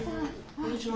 こんにちは。